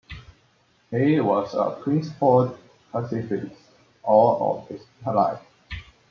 He was a principled pacifist all of his life.